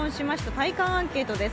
体感アンケートです。